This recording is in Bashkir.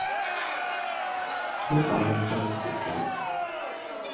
Тимәк, ауылыбыҙҙы үтеп киткәнбеҙ?!